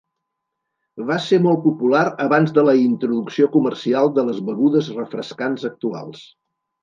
Va ser molt popular abans de la introducció comercial de les begudes refrescants actuals.